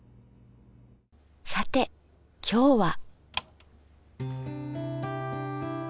さて今日は。